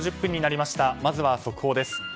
まずは速報です。